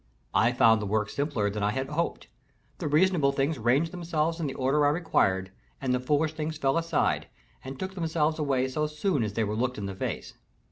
I found the work simpler than I had hoped; the reasonable things ranged themselves in the order I required, and the foolish things fell aside, and took themselves away so soon as they were looked in the face.